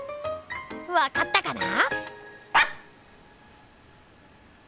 わかったかな？